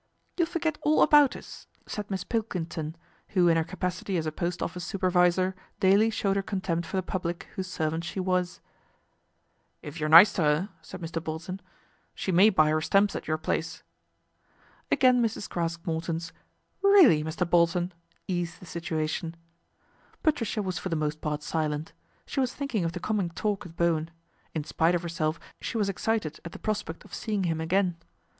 LORD PETER PROMISES A SOLUTION 97 You'll forget all about us," said Miss Pilking n, who in her capacity as a post office supervisor aily showed her contempt for the public whose rvant she was. " If you're nice to her," said Mr. Bolton, " she ay buy her stamps at your place." Again Mrs. Craske Morton's "Really, Mr. Bol n !" eased the situation. Patricia was for the most part silent. She as thinking of the coming talk with Bowen. i spite of herself she was excited at the prospect seeing him again.